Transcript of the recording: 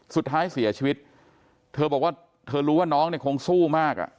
สุดท้ายเสียชีวิตเธอบอกว่าเธอรู้ว่าน้องเนี่ยคงสู้มากอ่ะ